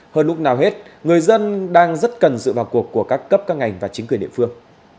hơn lúc nào hết người dân đang rất cần sự vào cuộc của các cấp các ngành và chính quyền địa phương